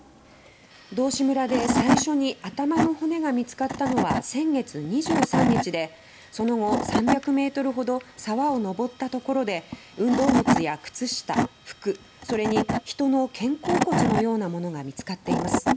道志村で最初に頭の骨が見つかったのは先月２３日で、その後３００ｍほど沢を登ったところで運動靴や靴下、服それに人の肩甲骨のようなものが見つかっています。